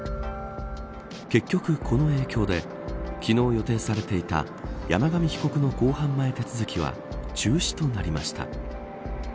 結局、この影響で昨日、予定されていた山上被告の公判前手続きは中止となりました。